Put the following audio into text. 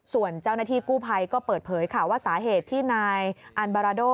ส่วนเจ้าหน้าที่กู้ภัยก็เปิดเผยค่ะว่าสาเหตุที่นายอันบาราโด